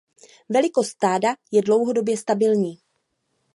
Velikost stáda je dlouhodobě stabilní.